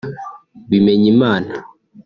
Bimenyimana